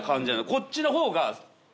こっちのほうが。